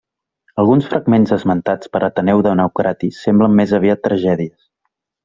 Alguns fragments esmentats per Ateneu de Naucratis semblen més aviat tragèdies.